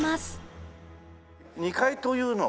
２階というのは？